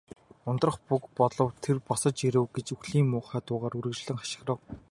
"Ундрах буг болов. Тэр босож ирэв" гэж үхлийн муухай дуугаар үргэлжлэн хашхичив.